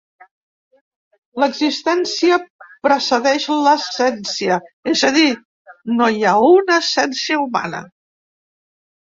L'existència precedeix l'essència, és a dir, no hi ha una essència humana.